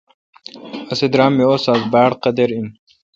اسی درام می استادہ باڑقدر این